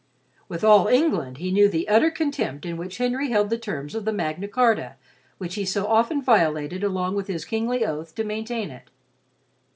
With all England, he knew the utter contempt in which Henry held the terms of the Magna Charta which he so often violated along with his kingly oath to maintain it.